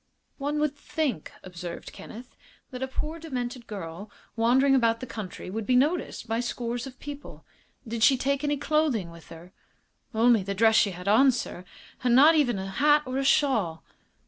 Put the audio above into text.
"One would think," observed Kenneth, "that a poor, demented girl, wandering about the country, would be noticed by scores of people. Did she take any clothing with her?" "Only the dress she had on, sir, and not even a hat or a shawl."